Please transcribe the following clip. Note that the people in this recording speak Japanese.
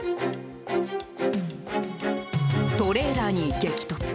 トレーラーに激突。